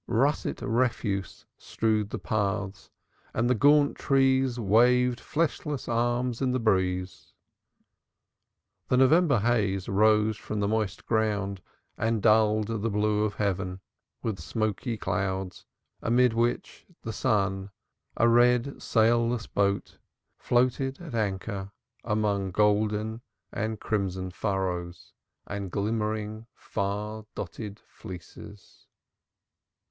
Russet refuse strewed the paths and the gaunt trees waved fleshless arms in the breeze. The November haze rose from the moist ground and dulled the blue of heaven with smoky clouds amid which the sun, a red sailless boat, floated at anchor among golden and crimson furrows and glimmering far dotted fleeces.